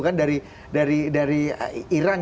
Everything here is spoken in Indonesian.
kan dari iran